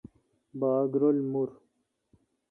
باگ رل مُر۔